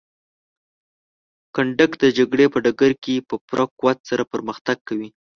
کنډک د جګړې په ډګر کې په پوره قوت سره پرمختګ کوي.